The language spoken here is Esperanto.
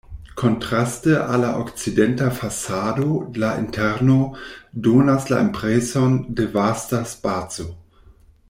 Kontraste al la okcidenta fasado la interno donas la impreson de vasta spaco.